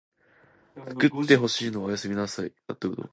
つくってほしいのおやすみなさい